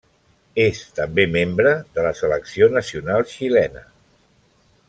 És també membre de la selecció nacional xilena.